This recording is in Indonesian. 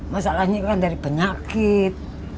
masalahnya kan dari penyakit